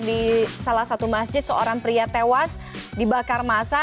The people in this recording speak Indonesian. di salah satu masjid seorang pria tewas dibakar masa